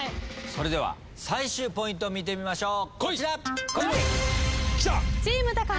それでは最終ポイント見てみましょう。